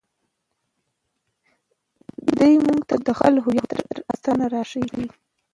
دی موږ ته د خپل هویت ساتنه راښيي.